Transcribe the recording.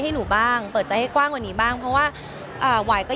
ไม่มีเลยค่ะไม่มีแต่เรียกว่าเวลาจะกลับมาร้องเพลงเวลาจะทำงาน